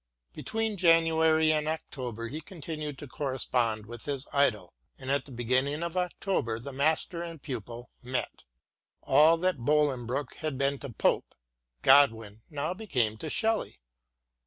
Between January and October he continued to correspond with his idol, and at the beginning of October the master and pupil met. AH that Bolingbroke had been to Pope, Godwin now became to Shelley.